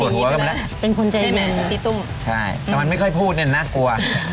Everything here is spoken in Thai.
เป็นคนใจใช่ไหมพี่ตุ้มใช่แต่มันไม่ค่อยพูดเนี่ยน่ากลัว